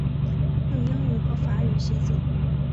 用英语和法语写作。